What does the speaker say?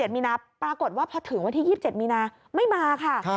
มีนาปรากฏว่าพอถึงวันที่๒๗มีนาไม่มาค่ะ